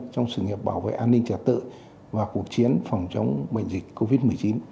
trong sự nghiệp bảo vệ an ninh trật tự và cuộc chiến phòng chống bệnh dịch covid một mươi chín